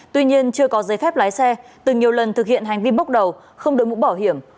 tuy nhiên chưa có giấy phép lái xe từ nhiều lần thực hiện hành vi bốc đầu không đổi mũ bảo hiểm